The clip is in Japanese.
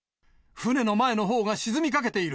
船の前のほうが沈みかけている。